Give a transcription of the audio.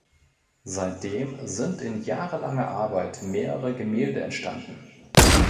Seitdem sind in jahrelanger Arbeit mehrere Gemälde entstanden.